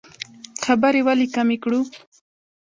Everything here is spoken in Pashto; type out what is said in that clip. خبرې ولې کمې کړو؟